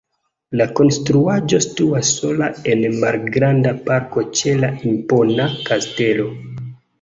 La konstruaĵo situas sola en malgranda parko ĉe la impona kastelo.